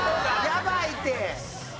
やばいて！